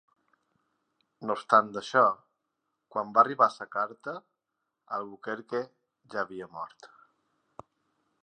No obstant això, quan va arribar la carta, Albuquerque ja havia mort.